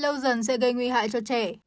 lâu dần sẽ gây nguy hại cho trẻ